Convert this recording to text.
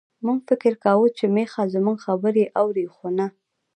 موږ فکر کاوه چې میښه زموږ خبرې اوري، خو نه.